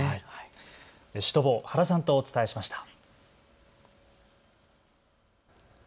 シュトボー、原さんとお伝えしました。